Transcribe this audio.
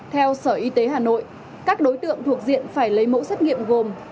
theo sở y tế hà nội các đối tượng thuộc diện phải lấy mẫu xét nghiệm gồm